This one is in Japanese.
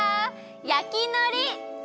焼きのり！